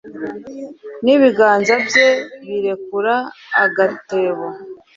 n’ibiganza bye birekura agatebo